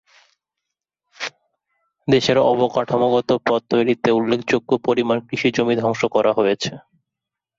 দেশে অবকাঠামোগত পথ তৈরিতে উল্লেখযোগ্য পরিমাণ কৃষিজমি ধ্বংস করা হয়েছে।